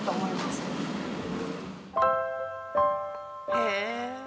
へえ！